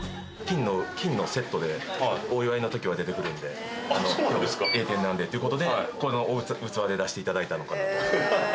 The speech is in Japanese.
金のセットで、お祝いのときは出てくるんで、栄転なのでということで、この器で出していただいたのかなと。